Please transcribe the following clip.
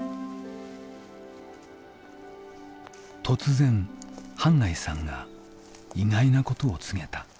突然半谷さんが意外なことを告げた。